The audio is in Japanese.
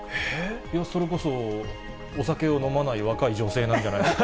それこそ、お酒を飲まない若い女性なんじゃないですか。